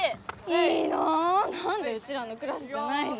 いいななんでうちらのクラスじゃないの？